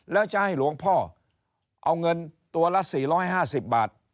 แล้วจะให้หลวงพ่อเอาเงินตัวละ๔๕๐บาท